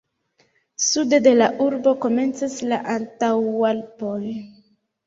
Sude de la urbo komencas la Antaŭalpoj.